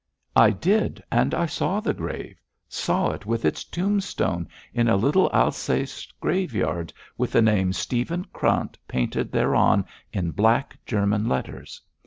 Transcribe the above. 'I did, and I saw the grave saw it with its tombstone, in a little Alsace graveyard, with the name Stephen Krant painted thereon in black German letters.